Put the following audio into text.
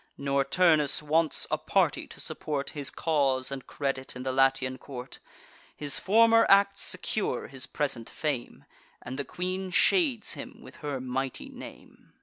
Nor Turnus wants a party, to support His cause and credit in the Latian court. His former acts secure his present fame, And the queen shades him with her mighty name.